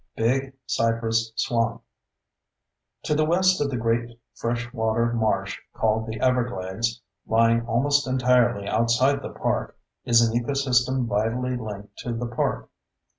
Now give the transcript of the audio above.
Big Cypress Swamp To the west of the great fresh water marsh called the everglades, lying almost entirely outside the park, is an ecosystem vitally linked to the park.